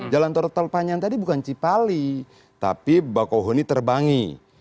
jalan tol terpanjang tadi bukan cipali tapi bakoho ini terbangi